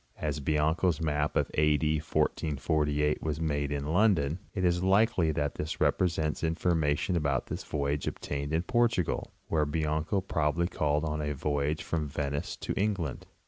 As Bianco's map of A. D. 1448 was made in London, it is likely that it represents information about this voyage obtained in Portugal, where Bianco probably called on a voyage _ from Venice to England.